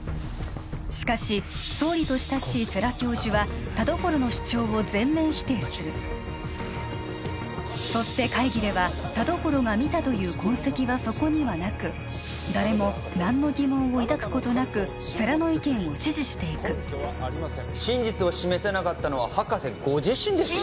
しかし総理と親しい世良教授は田所の主張を全面否定するそして会議では田所が見たという痕跡はそこにはなく誰も何の疑問を抱くことなく世良の意見を支持していく真実を示せなかったのは博士ご自身ですよ